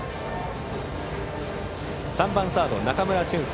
３番サード、中村駿介。